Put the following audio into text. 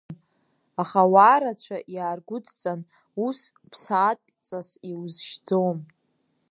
Аха ауаа рацәа иааргәыдҵан ус, ԥсаатәҵас иузшьӡом.